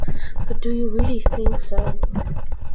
But do you really think so?